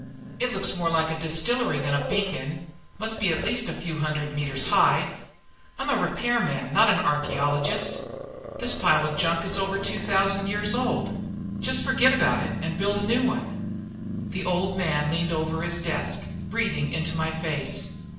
It looks more like a distillery than a beacon must be at least a few hundred meters high. I'm a repairman, not an archeologist. This pile of junk is over 2000 years old. Just forget about it and build a new one." The Old Man leaned over his desk, breathing into my face.